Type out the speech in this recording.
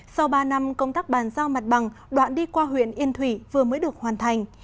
sau ba năm công tác bàn giao mặt bằng đoạn đi qua huyện yên thủy vừa mới được hoàn thành